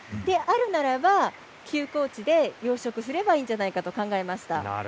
あるならば休耕地で養殖すればいいんじゃないかと考えました。